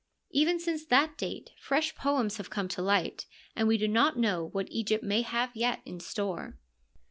Even since that date fresh poems have come to light, and we do not know what Egypt may have yet in store.